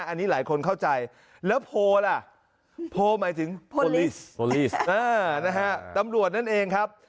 อันนี้หลายคนเข้าใจแล้วโพลล่ะโพลหมายถึงตำรวจนั่นเองครับ